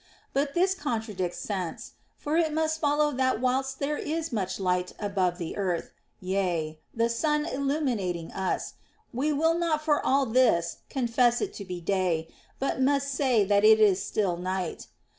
But this contradicts sense ; for it must follow that whilst there is much light above the earth, yea, the sun illuminating us, we will not for all this confess it to be day, but must say that it is still night.